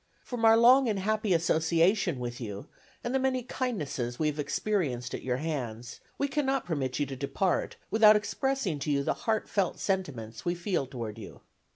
From our long and happy association with you, and the many kindnesses we have experienced at your hands, we cannot permit you to depart without expressing to you the heartfelt sentiments we feel toward you.